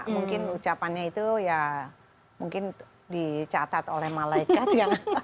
mungkin ucapannya itu ya mungkin dicatat oleh malaikat ya